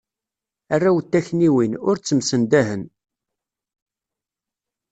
Arraw n takniwin, ur ttemsendahen.